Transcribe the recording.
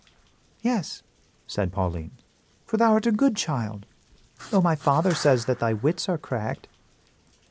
"Yes," said Pauline, "for thou art a good child, though my father says that thy wits are cracked."